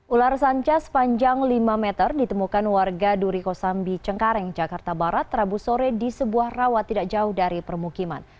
ular sanca sepanjang lima meter ditemukan warga duriko sambi cengkareng jakarta barat rabu sore di sebuah rawa tidak jauh dari permukiman